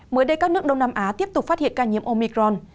mới đây các nước đông nam á tiếp tục phát hiện ca nhiễm omicron